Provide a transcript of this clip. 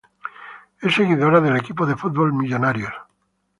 Es seguidora del equipo de fútbol Millonarios.